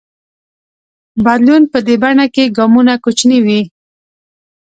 بدلون په دې بڼه کې ګامونه کوچني وي.